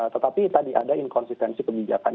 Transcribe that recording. tetapi tadi ada inkonsistensi kebijakan